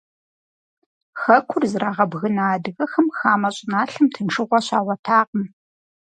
Хэкур зрагъэбгына адыгэхэм хамэ щӀыналъэм тыншыгъуэ щагъуэтакъым.